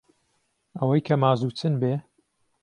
ئەوەی کە مازوو چن بێ